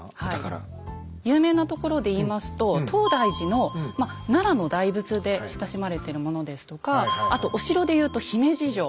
有名なところで言いますと東大寺の奈良の大仏で親しまれてるものですとかあとお城で言うと姫路城。